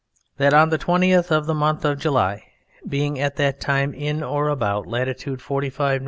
That on the 20th of the month of July, being at that time in or about Latitude 45 N.